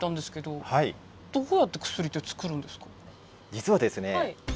実はですね。